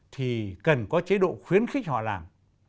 thì cần có chế độ khuyến khích họ làm